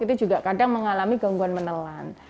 itu juga kadang mengalami gangguan menelan